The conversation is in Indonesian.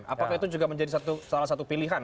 apakah itu juga menjadi salah satu pilihan